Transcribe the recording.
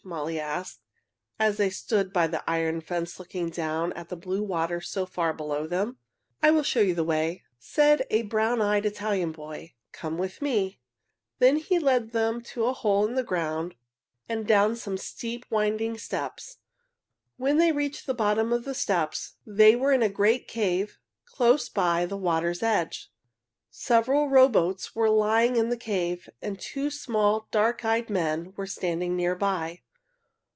Molly asked, as they stood by the iron fence looking down at the blue water so far below them. "I will show you the way," said a brown eyed Italian boy. "Come with me." He then led them to a hole in the ground and down some steep, winding steps. When they reached the bottom of the steps they were in a great cave close by the water's edge. Several rowboats were lying in the cave, and two small, dark eyed men were standing near by.